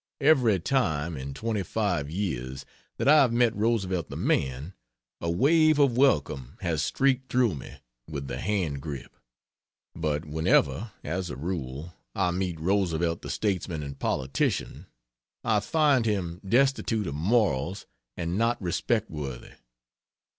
Every time, in 25 years, that I have met Roosevelt the man, a wave of welcome has streaked through me with the hand grip; but whenever (as a rule) I meet Roosevelt the statesman and politician, I find him destitute of morals and not respectworthy.